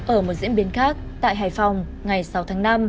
ở một diễn biến khác tại hải phòng ngày sáu tháng năm